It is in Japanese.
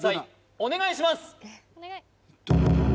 お願いします！